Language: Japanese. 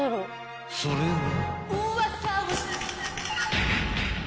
［それは］